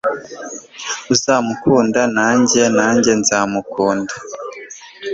uzankunda nanjye nanjye nzamukunda